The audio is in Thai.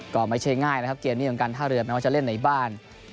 ก็ไม่ใช่ง่ายนะครับเกมนี้ของการท่าเรือไม่ว่าจะเล่นในบ้าน